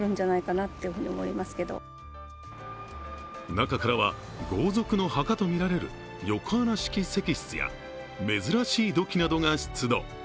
中からは豪族の墓とみられる横穴式石室や珍しい土器が出土。